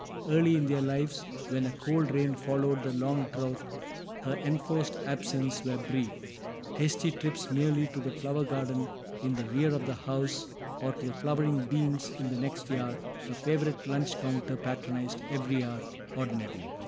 Early in their lives when a cold rain followed the long drouth, her enforced absences were brief; hasty trips merely to the flower garden in the rear of the house, or to the flowering beans in the next yard, a favorite lunch counter patronized every hour ordinarily.